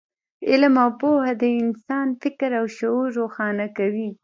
علم او پوهه د انسان فکر او شعور روښانه کوي.